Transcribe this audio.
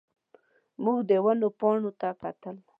موږ د ونو پاڼو ته کتل.